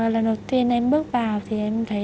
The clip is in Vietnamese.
lần đầu tiên em bước vào thì em thấy